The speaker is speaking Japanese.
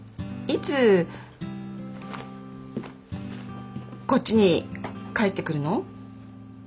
いつこっちに帰ってくるの？